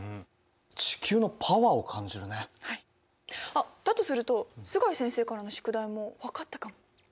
あっだとすると須貝先生からの宿題も分かったかも。